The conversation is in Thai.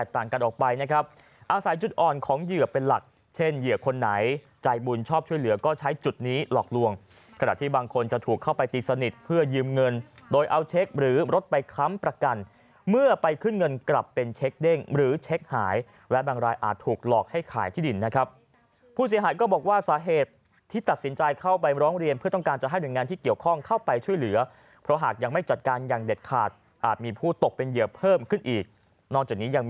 ที่บางคนจะถูกเข้าไปตีสนิทเพื่อยืมเงินโดยเอาเช็คหรือรถไปค้ำประกันเมื่อไปขึ้นเงินกลับเป็นเช็คเด้งหรือเช็คหายและบางรายอาจถูกหลอกให้ขายที่ดินนะครับผู้เสียหายก็บอกว่าสาเหตุที่ตัดสินใจเข้าไปร้องเรียนเพื่อต้องการจะให้หน่วยงานที่เกี่ยวข้องเข้าไปช่วยเหลือเพราะหากยังไม่จัดการอย่างเด็ดขาดอา